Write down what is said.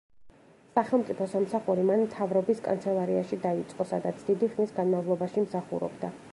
სახელმწიფო სამსახური მან მთავრობის კანცელარიაში დაიწყო, სადაც დიდი ხნის განმავლობაში მსახურობდა.